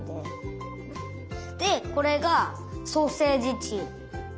でこれがソーセージチーム。